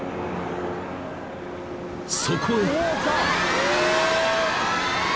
［そこへ］